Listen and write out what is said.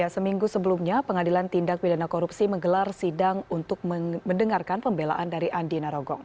seminggu sebelumnya pengadilan tindak pidana korupsi menggelar sidang untuk mendengarkan pembelaan dari andi narogong